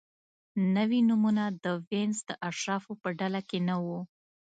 نوي نومونه د وینز د اشرافو په ډله کې نه وو.